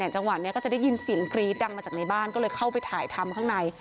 จังหวะนี้ก็จะได้ยินเสียงกรี๊ดดังมาจากในบ้านก็เลยเข้าไปถ่ายทำข้างใน